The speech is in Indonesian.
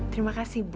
terima kasih bu